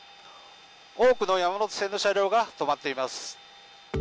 多くの山手線の車両が止まっています。